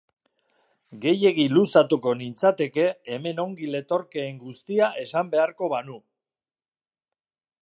Gehiegi luzatuko nintzateke hemen ongi letorkeen guztia esan beharko banu.